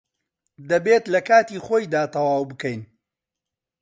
دەبێت لە کاتی خۆیدا تەواو بکەین.